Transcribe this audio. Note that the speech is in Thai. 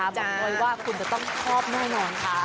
บอกเลยว่าคุณจะต้องชอบแน่นอนค่ะ